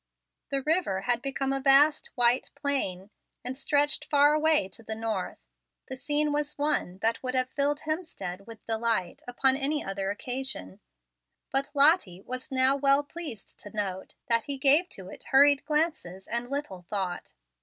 The river had become a vast, white plain, and stretched far away to the north. The scene was one that would have filled Hemstead with delight upon any other occasion, but Lottie was now well pleased to note that he gave to it hurried glances and little thought.